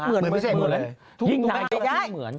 เหมือนพิเศษหมดเลย